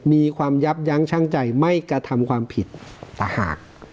มีความยับยั้งช่างใจไม่กระทำความผิดต่างหาก